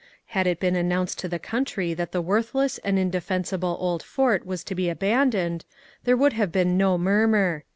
Had it been announced to the country that the worthless and indefensible old fort was to be abandoned there would have been no murmur.